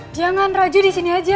jangan raju disini aja